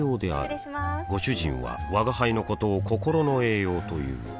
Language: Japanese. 失礼しまーすご主人は吾輩のことを心の栄養という